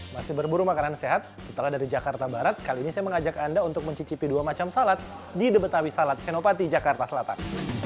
masih berburu makanan sehat setelah dari jakarta barat kali ini saya mengajak anda untuk mencicipi dua macam salad di the betawi salad senopati jakarta selatan